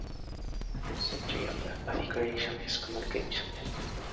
At the centre of empathy creation is communication.